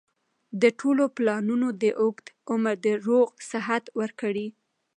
د ټولو پلانونو ته اوږد عمر د روغ صحت ورکړي